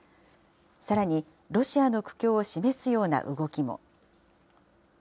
さらにロシアの苦境を示すような動きも。